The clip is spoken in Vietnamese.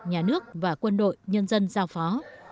nhà nước và quân đội nhân dân giao phó